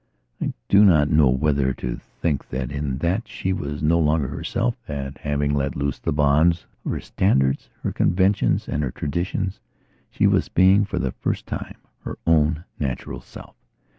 I do not know whether to think that, in that she was no longer herself; or that, having let loose the bonds of her standards, her conventions and her traditions, she was being, for the first time, her own natural self.